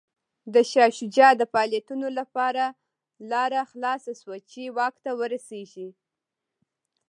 د شاه شجاع د فعالیتونو لپاره لاره خلاصه شوه چې واک ته ورسېږي.